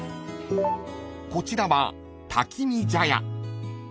［こちらは瀧見茶屋］